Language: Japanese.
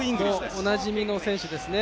おなじみの選手ですね。